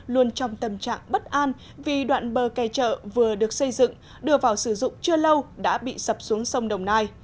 luôn trong tâm trạng bất an vì đoạn bờ kè chợ vừa được xây dựng đưa vào sử dụng chưa lâu đã bị sập xuống sông đồng nai